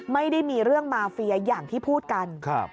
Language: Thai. ไม่ได้มีเรื่องมาเฟียอย่างที่พูดกัน